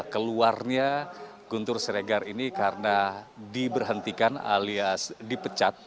keluarnya guntur siregar ini karena diberhentikan alias dipecat